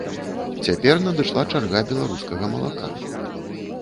Цяпер надышла чарга беларускага малака.